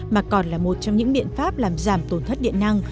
mà còn là một trong những biện pháp làm giảm tổn thất điện năng